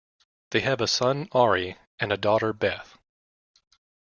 They have a son, Ari, and a daughter, Beth.